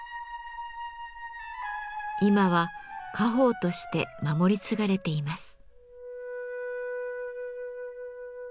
今は家宝として守り継がれています。